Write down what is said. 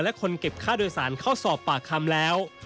และคนเก็บค่าโดยสารเข้าสอบปากคำแล้ว